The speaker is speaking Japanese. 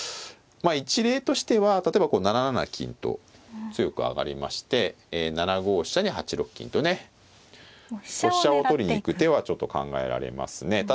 まあ一例としては例えばこう７七金と強く上がりまして７五飛車に８六金とねこう飛車を取りに行く手はちょっと考えられますね。